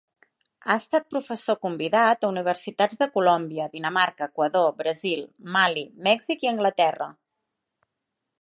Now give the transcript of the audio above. Ha estat professor convidat a universitats de Colòmbia, Dinamarca, Equador, Brasil, Mali, Mèxic i Anglaterra.